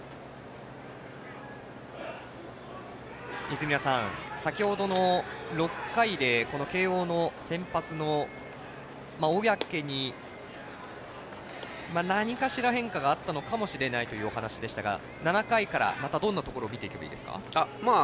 泉田さん、先ほどの６回でこの慶応の先発の小宅に何かしら変化があったのかもしれないというお話でしたが７回からまたどんなところを見ていけばいいですか？